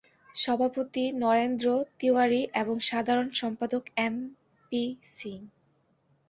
সভাপতি নরেন্দ্র তিওয়ারি এবং সাধারণ সম্পাদক এম পি সিং।